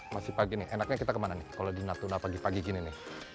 masih pagi nih enaknya kita kemana nih kalau di natuna pagi pagi gini nih